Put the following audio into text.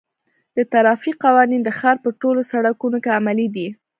د ترافیک قوانین د ښار په ټولو سړکونو کې عملي دي.